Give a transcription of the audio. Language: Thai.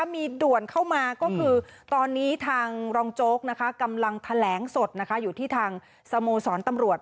มีด่วนเข้ามาก็คือตอนนี้ทางรองโจ๊กกำลังแถลงสดอยู่ที่ทางสโมสรตำรวจ